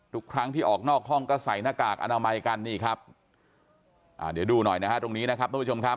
ทุกครั้งที่ออกนอกห้องก็ใส่หน้ากากอนามัยกันนี่ครับอ่าเดี๋ยวดูหน่อยนะฮะตรงนี้นะครับทุกผู้ชมครับ